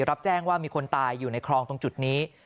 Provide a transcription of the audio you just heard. รับแจ้งว่ามีคนตายอยู่ในคลองตรงจุดนี้